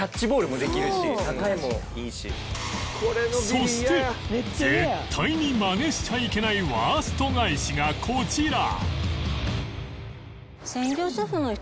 そして絶対にマネしちゃいけないワースト返しがこちら